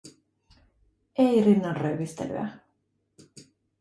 Ei rinnan röyhistelyä.